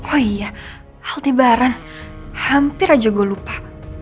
oh iya healthybara hampir aja gue lupa